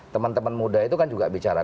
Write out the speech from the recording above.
teman teman muda itu kan juga bicara